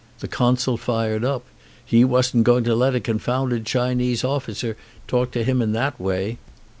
The consul fired up. He wasn't going to let a confounded Chinese officer talk to him in that way.